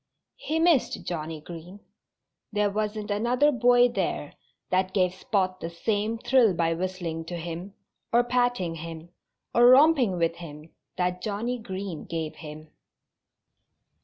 He missed Johnnie Green. There wasn't another boy there that gave Spot the same thrill by whistling to him, or patting him, or romping with him that Johnnie Green gave him.